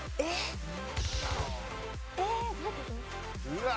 うわ！